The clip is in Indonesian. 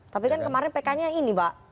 tapi kan kemarin pk nya ini pak